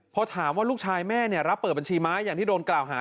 พอถามว่าลูกชายแม่รับเปิดบัญชีไหมอย่างที่โดนกล่าวหา